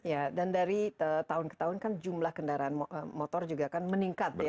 ya dan dari tahun ke tahun kan jumlah kendaraan motor juga kan meningkat ya